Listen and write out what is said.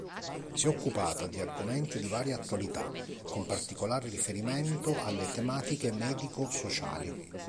Si è occupata di argomenti di varia attualità, con particolare riferimento alle tematiche medico-sociali.